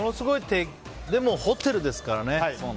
でもホテルですからね。